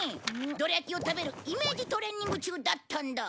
どら焼きを食べるイメージトレーニング中だったんだ。